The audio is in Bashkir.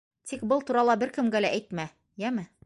Тик был турала бер кемгә лә әйтмә, йәме!